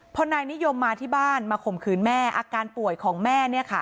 พอนายนิยมมาที่บ้านมาข่มขืนแม่อาการป่วยของแม่